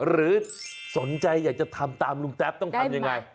หรือสนใจอยากจะทำตามลุงแต๊บต้องทำยังไง